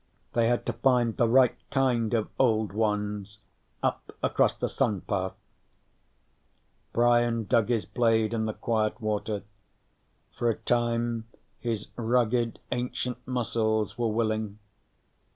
They had to find the right kind of Old Ones. Up across the sun path. Brian dug his blade in the quiet water. For a time, his rugged ancient muscles were willing.